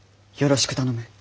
よろしく頼む。